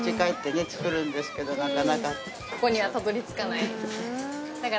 ここにはたどり着かない。